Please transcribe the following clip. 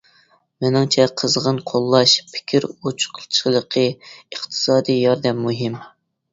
مېنىڭچە قىزغىن قوللاش، پىكىر ئوچۇقچىلىقى، ئىقتىسادىي ياردەم مۇھىم.